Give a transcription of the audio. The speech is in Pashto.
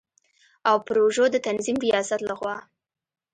او پروژو د تنظیم ریاست له خوا